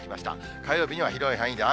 火曜日には広い範囲で雨。